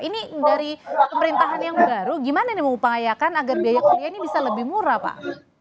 ini dari pemerintahan yang baru gimana nih mengupayakan agar biaya kuliah ini bisa lebih murah pak